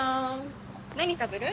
何食べる？